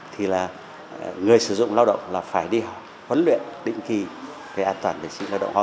bốn mươi bốn thì là người sử dụng lao động là phải đi huấn luyện định kỳ về an toàn vệ sinh lao động hòa